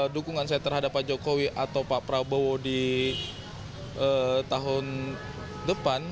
dukungan saya terhadap pak jokowi atau pak prabowo di tahun depan